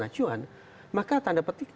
acuan maka tanda petik